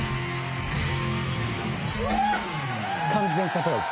「完全サプライズ」